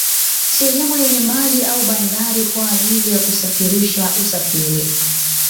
Sehemu yenye maji au bandari kwa ajili ya kurahisisha usafiri